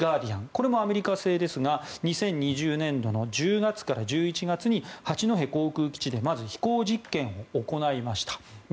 これもアメリカ製ですが２０２０年度の１０月から１１月に八戸航空基地でまず飛行実験を行いました。